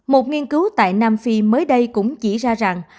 một nghiên cứu tại nam phi mới đây cũng chỉ ra rằng